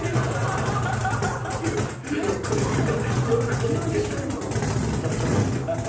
急に司会の人がもう歌っちゃったって感じで。